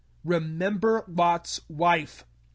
32 Remember Lot's wife.